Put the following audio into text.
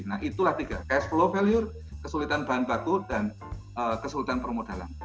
nah itulah tiga kayak sepuluh value kesulitan bahan baku dan kesulitan permodalan